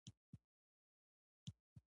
توره یې راواخیستله او پټ رهي شو.